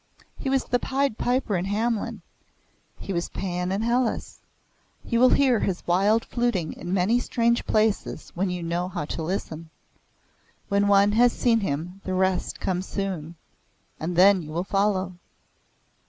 He was the Pied Piper in Hamelin, he was Pan in Hellas. You will hear his wild fluting in many strange places when you know how to listen. When one has seen him the rest comes soon. And then you will follow."